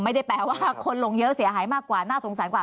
ไม่ได้แปลว่าคนลงเยอะเสียหายมากกว่าน่าสงสารกว่า